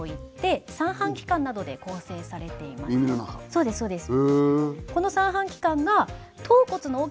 そうですそうです。